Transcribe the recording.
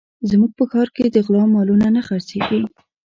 زموږ په ښار کې د غلا مالونه نه خرڅېږي